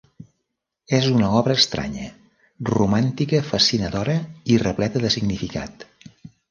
És una obra estranya, romàntica fascinadora i repleta de significat.